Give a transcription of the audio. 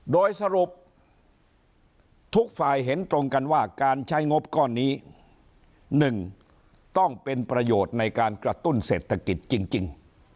โดยสรุปทุกฝ่ายเห็นตรงกันว่าการใช้งบก้อนนี้๑ต้องเป็นประโยชน์ในการกระตุ้นเศรษฐกิจจริง